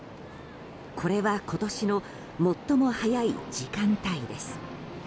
これは今年の最も早い時間帯です。